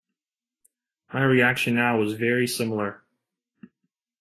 My reaction now was very similar.